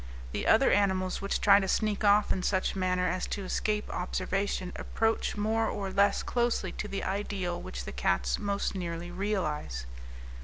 The other animals which try to sneak off in such manner as to escape observation approach more or less closely to the ideal which the cats most nearly realize.